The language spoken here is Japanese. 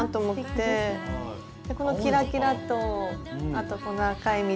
このキラキラとあとこの赤い実と。